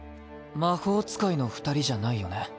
魔法使いの二人じゃないよね？